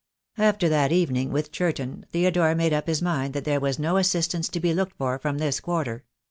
After that evening with Churton, Theodore made up his mind that there was no assistance to be looked for from this quarter.